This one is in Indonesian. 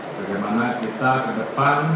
bagaimana kita ke depan